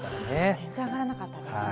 全然上がらなかったですね。